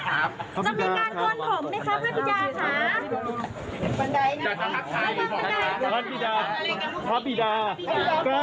คลุกปรับจากนี้จะไปอยู่ที่ไหนครับ